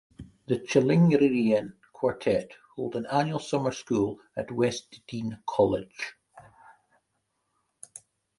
The Chilingirian Quartet hold an annual summer school at West Dean College.